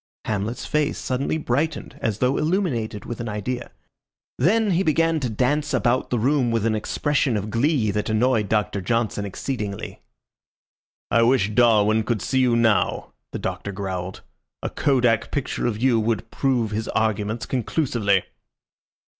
Hamlet's face suddenly brightened as though illuminated with an idea. Then he began to dance about the room with an expression of glee that annoyed Doctor Johnson exceedingly. "I wish Darwin could see you now," the Doctor growled. "A kodak picture of you would prove his arguments conclusively."